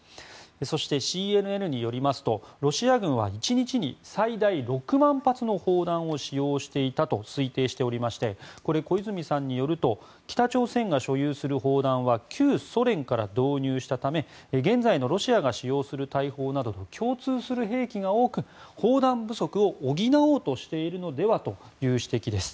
そして、ＣＮＮによりますとロシア軍は１日に最大６万発の砲弾を使用していたと推定しておりましてこれ、小泉さんによりますと北朝鮮が保有する砲弾は旧ソ連から導入したため現在のロシアが使用する大砲などと共通する兵器が多く、砲弾不足を補おうとしているのではという指摘です。